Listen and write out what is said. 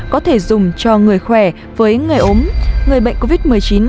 có thể dùng cho người khỏe với người ốm người bệnh covid một mươi chín